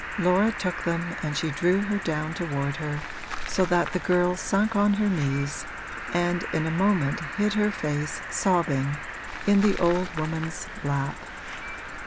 Laura took them and she drew her down toward her, so that the girl sunk on her knees and in a moment hid her face, sobbing, in the old woman's lap.